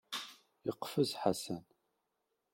Yeqfez Ḥasan.